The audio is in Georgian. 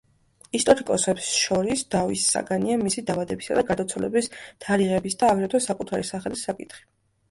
ისტორიკოსებს შორის დავის საგანია მისი დაბადებისა და გარდაცვალების თარიღების და აგრეთვე საკუთარი სახელის საკითხი.